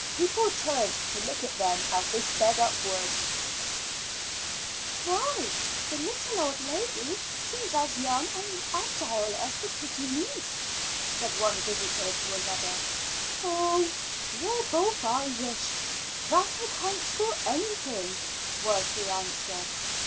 People turned to look at them as they sped upwards. "Why, the little old lady seems as young and agile as the pretty niece," said one visitor to another. "Oh, they're both Irish; that accounts for anything," was the answer.